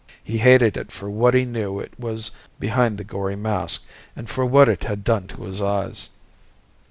He hated it for what he knew it was behind the gory mask, and for what it had done to his eyes.